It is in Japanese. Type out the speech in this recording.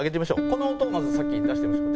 この音をまず先出してみましょう。